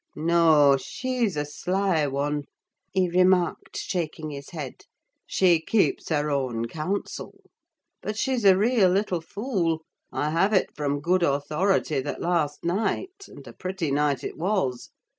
"No, she's a sly one," he remarked, shaking his head. "She keeps her own counsel! But she's a real little fool. I have it from good authority that last night (and a pretty night it was!)